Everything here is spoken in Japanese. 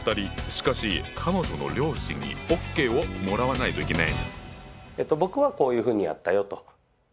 しかし彼女の両親にＯＫをもらわないといけない。